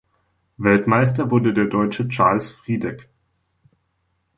Weltmeister wurde der Deutsche Charles Friedek.